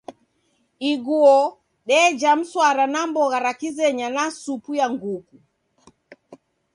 Iguo deja mswara na mbogha ra kizenya na supu ya nguku.